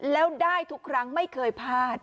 แล้วได้ทุกครั้งไม่เคยพลาด